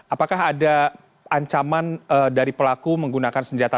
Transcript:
apakah ada ancaman dari pelaku menggunakan senjata